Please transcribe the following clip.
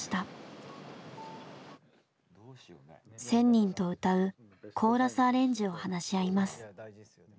１，０００人と歌うコーラスアレンジを話し合います。